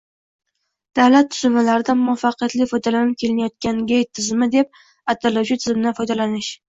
davlat tuzilmalarida muvaffaqiyatli foydalanib kelinayotgan «geyt tizimi» deb ataluvchi tizimdan foydalanish.